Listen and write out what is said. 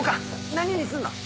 何にすんの？